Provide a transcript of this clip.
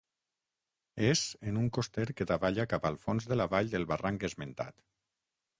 És en un coster que davalla cap al fons de la vall del barranc esmentat.